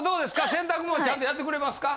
洗濯物ちゃんとやってくれますか？